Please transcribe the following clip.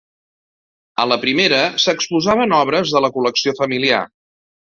A la primera s'exposaven obres de la col·lecció familiar.